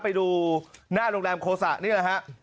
ไปดูหน้าโรงแรมโคสะนี่แหละฮะ